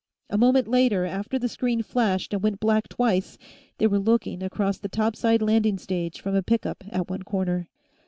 A moment later, after the screen flashed and went black twice, they were looking across the topside landing stage from a pickup at one corner.